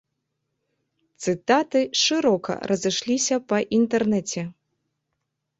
Цытаты шырока разышліся па інтэрнэце.